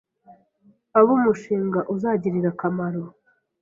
abo umushinga uzagirira akamaro